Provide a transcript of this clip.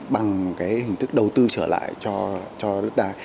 bằng cái hình thức đầu tư trở lại cho đất đai